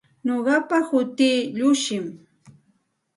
Nuqapa hutii Llushim.